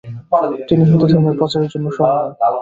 তিনি হিন্দু ধর্মের প্রচারের জন্য স্মরণীয়।